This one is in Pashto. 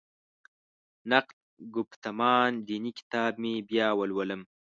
نقد ګفتمان دیني کتاب مې بیا ولولم.